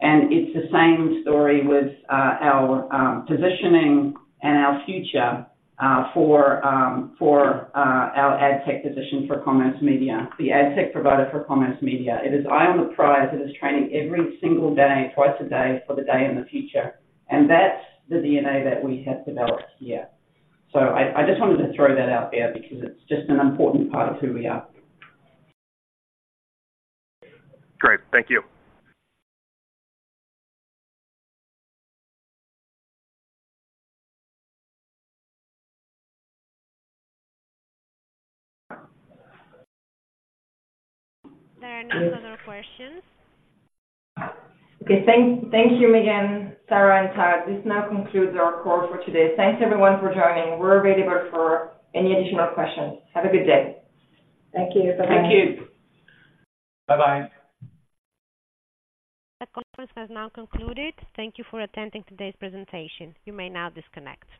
It's the same story with our positioning and our future for our ad tech position for commerce media, the ad tech provider for commerce media. It is eye on the prize. It is training every single day, twice a day, for the day in the future, and that's the DNA that we have developed here. So I, I just wanted to throw that out there because it's just an important part of who we are. Great. Thank you. There are no further questions. Okay, thank, thank you, Megan, Sarah, and Todd. This now concludes our call for today. Thanks, everyone, for joining. We're available for any additional questions. Have a good day. Thank you. Bye-bye. Thank you. Bye-bye. The conference has now concluded. Thank you for attending today's presentation. You may now disconnect.